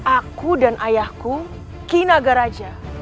aku dan ayahku kinagaraja